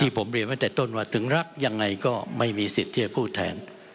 ผมเรียนตั้งแต่ต้นว่าถึงรักยังไงก็ไม่มีสิทธิ์ที่จะพูดแทน